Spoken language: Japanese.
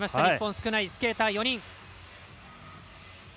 日本少ないスケーター４人。